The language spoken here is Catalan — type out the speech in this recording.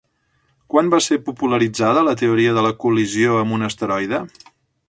Quan va ser popularitzada la teoria de la col·lisió amb un asteroide?